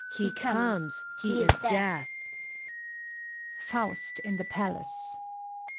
he comes, he is Death! FAUST (in the Palace).